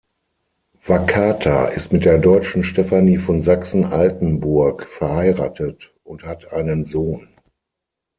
Wakata ist mit der Deutschen Stefanie von Sachsen-Altenburg verheiratet und hat einen Sohn.